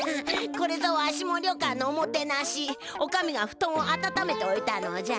これぞわしも旅館のおもてなし女将がふとんを温めておいたのじゃ。